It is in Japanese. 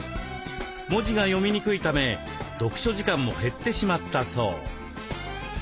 文字が読みにくいため読書時間も減ってしまったそう。